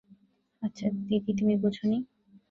আচ্ছা দিদি, তুমি বোঝ নি?